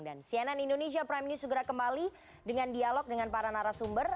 dan cnn indonesia prime news segera kembali dengan dialog dengan para narasumber